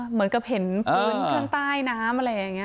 เหมือนกับเห็นพื้นข้างใต้น้ำอะไรอย่างนี้